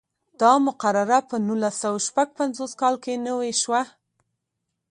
دا مقرره په نولس سوه شپږ پنځوس کال کې نوې شوه.